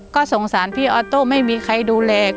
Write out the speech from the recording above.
ก็สงสารพี่ออโต้ไม่มีใครดูแล